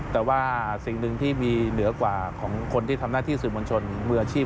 แต่ว่าสิ่งหนึ่งที่มีเหนือกว่าของคนที่ทำหน้าที่สื่อมวลชนมืออาชีพ